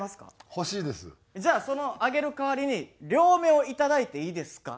じゃあそのあげる代わりに両目をいただいていいですか？